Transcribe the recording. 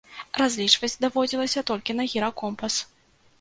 Разлічваць даводзілася толькі на гіракомпас.